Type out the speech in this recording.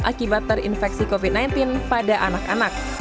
akibat terinfeksi covid sembilan belas pada anak anak